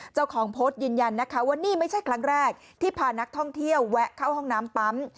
เจ้าของโพสต์ยืนยันนะคะว่านี่ไม่ใช่ครั้งแรกที่พานักท่องเที่ยวแวะเข้าห้องน้ำปั๊ม